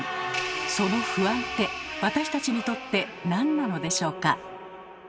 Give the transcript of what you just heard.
その不安って私たちにとって何なのでしょうか？